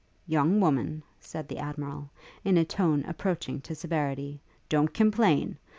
'Young woman,' said the Admiral, in a tone approaching to severity, 'don't complain!